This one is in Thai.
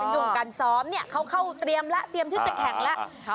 เป็นช่วงการส้อมเขาเข้าเตรียมไปที่จะแข่ง